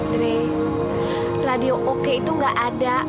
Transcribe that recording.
dari radio oke itu gak ada